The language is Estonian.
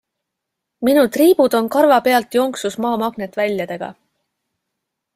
Minu triibud on karvapealt jonksus Maa magnetväljadega.